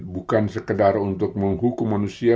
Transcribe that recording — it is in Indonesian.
bukan sekedar untuk menghukum manusia